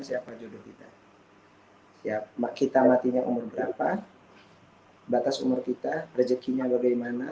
siapa jodoh kita siap kita matinya umur berapa batas umur kita rezekinya bagaimana